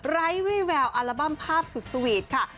ไร้วี่แววอัลบั้มภาพสุดสวีทค่ะ